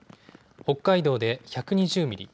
北海道で１２０ミリ